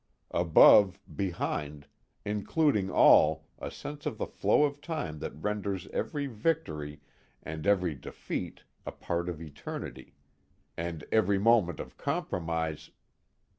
Above, behind, including all, a sense of the flow of time that renders every victory and every defeat a part of eternity. And every moment of compromise